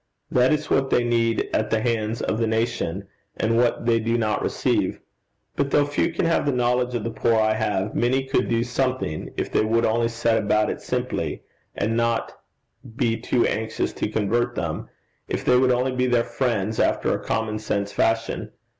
That is what they need at the hands of the nation, and what they do not receive. But though few can have the knowledge of the poor I have, many could do something, if they would only set about it simply, and not be too anxious to convert them; if they would only be their friends after a common sense fashion.